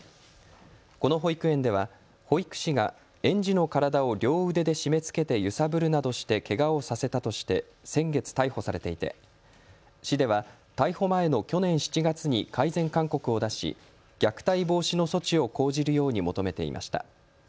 この保育園では保育士が園児の体を両腕で締めつけて揺さぶるなどしてけがをさせたとして先月、逮捕されていて市では逮捕前の去年７月に改善勧告を出し虐待防止の措置を講じるように求めていました。